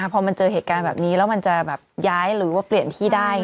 พอมันเจอเหตุการณ์แบบนี้แล้วมันจะแบบย้ายหรือว่าเปลี่ยนที่ได้